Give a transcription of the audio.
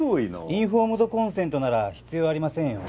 インフォームド・コンセントなら必要ありませんよ。